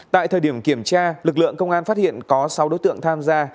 tại thời điểm kiểm tra lực lượng công an phát hiện có sáu đối tượng tham gia